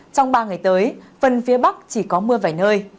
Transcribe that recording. trong ba ngày tới phần phía bắc chỉ có mưa vài nơi